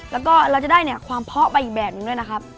แล้วก็เราจะได้เนี่ยความเพาะไปอีกแบบหนึ่งด้วยนะครับ